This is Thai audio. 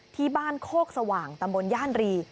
ที่บ้านโคกสว่างตำบลย่านรี